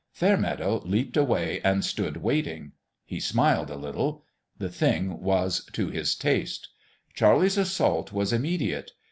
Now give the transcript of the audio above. Fairmeadow leaped away and stood waiting. He smiled a little. The thing was to his taste. Charlie's assault was immediate.